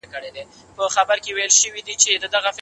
دعا نه هېریږي.